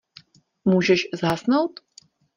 Můžeš zhasnout?